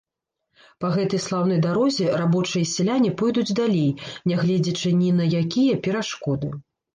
Па гэтай слаўнай дарозе рабочыя і сяляне пойдуць далей, нягледзячы ні на якія перашкоды.